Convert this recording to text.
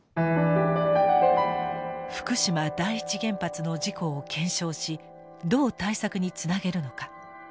福島第一原発の事故を検証しどう対策につなげるのか。